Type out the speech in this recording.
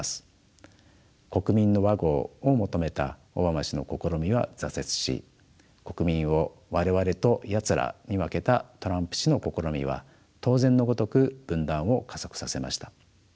「国民の和合」を求めたオバマ氏の試みは挫折し国民を「我々」と「やつら」に分けたトランプ氏の試みは当然のごとく分断を加速させました。